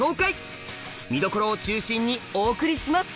見どころを中心にお送りします！